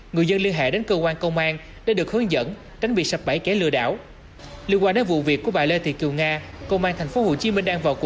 người dân liên hệ đến cơ quan công an để được hướng dẫn tránh bị sụp bẫy kẻ lừa đảo